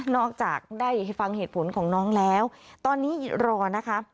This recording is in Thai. จากได้ฟังเหตุผลของน้องแล้วตอนนี้รอนะคะ